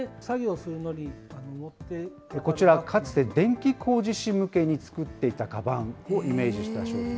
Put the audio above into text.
こちら、かつて、電気工事士向けに作っていたかばんをイメージした商品。